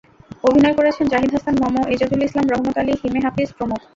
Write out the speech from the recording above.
অভিনয় করেছেন জাহিদ হাসান, মম, এজাজুল ইসলাম, রহমত আলী, হিমে হাফিজ প্রমুখ।